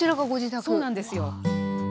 そうなんですよ。